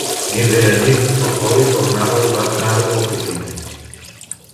Nit rere nit, la Holly tornava tard de l'oficina.